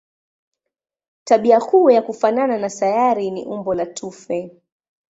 Tabia kuu ya kufanana na sayari ni umbo la tufe.